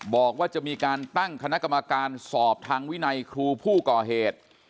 บอกว่าจะมีการตั้งคณะกรรมการสอบทางวินัยครูผู้ก่อเหตุ